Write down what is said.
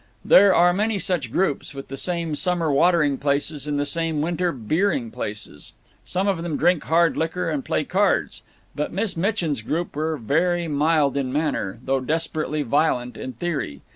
There are many such groups, with the same summer watering places and the same winter beering places. Some of them drink hard liquor and play cards. But Miss Mitchin's group were very mild in manner, though desperately violent in theory.